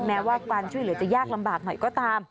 แม้ว่าการช่วยเหลือจะยากลำบากหน่อยก็ตาม